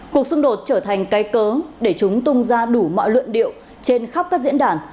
cuộc xung đột trở thành cây cớ để chúng tung ra đủ mọi luận điệu trên khắp các diễn đàn